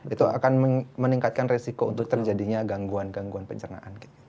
itu akan meningkatkan resiko untuk terjadinya gangguan gangguan pencernaan